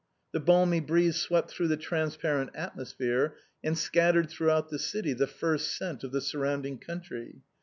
The balmy breeze swept through the transparent atmosphere and scat tered throughout the city the first scent of the surrounding country.